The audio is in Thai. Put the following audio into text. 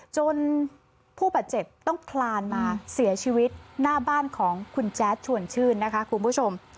จนผู้บาดเจ็บต้องคลานมาเสียชีวิตหน้าบ้านของคุณแจ๊ดชวนชื่นนะคะคุณผู้ชม